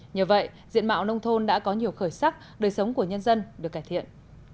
nhờ vậy diện mạo nông thôn đã có nhiều khởi sắc đời sống của nhân dân được cải thiện